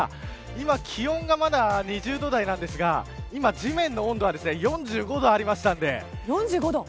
今、気温がまだ２０度台なんですが今、地面の温度は４５度ありましたので。